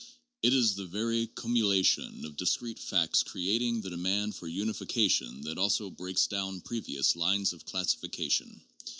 It is the very cumulation of discrete facts creating the demand for unification that also breaks down previous lines of classification.